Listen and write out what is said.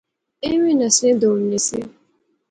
ایویں نسنے دوڑنے سے